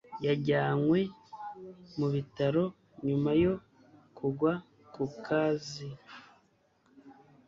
Yajyanywe mu bitaro nyuma yo kugwa ku kazi